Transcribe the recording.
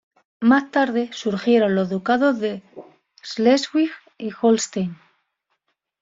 Más tarde surgieron los ducados de Schleswig y Holstein.